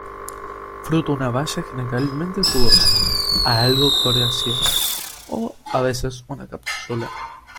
Fruto una baya generalmente jugosa a algo coriácea o a veces una cápsula.